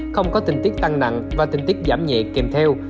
không có tình tiết tăng nặng và tình tiết giảm nhẹ kèm theo